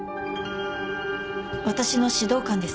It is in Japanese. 私の指導官です。